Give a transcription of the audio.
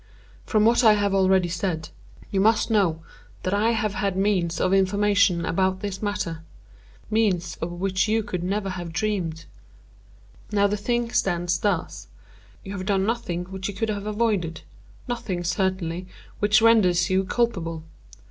From what I have already said, you must know that I have had means of information about this matter—means of which you could never have dreamed. Now the thing stands thus. You have done nothing which you could have avoided—nothing, certainly, which renders you culpable.